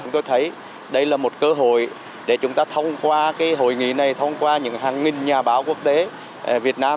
chúng tôi thấy đây là một cơ hội để chúng ta thông qua hội nghị này thông qua những hàng nghìn nhà báo quốc tế việt nam